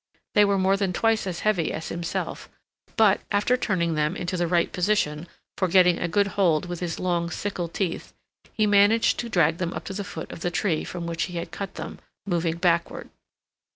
They were more than twice as heavy as himself, but after turning them into the right position for getting a good hold with his long sickle teeth he managed to drag them up to the foot of the tree from which he had cut them, moving backward.